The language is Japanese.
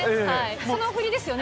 その振りですよね？